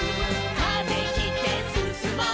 「風切ってすすもう」